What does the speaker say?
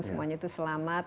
semuanya itu selamat